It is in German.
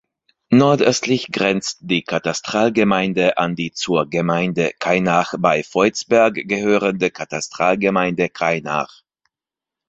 Nordöstlich grenzt die Katastralgemeinde an die zur Gemeinde Kainach bei Voitsberg gehörende Katastralgemeinde Kainach.